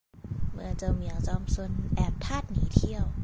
เมื่อเจ้าเหมียวจอมซนแอบทาสหนีเที่ยว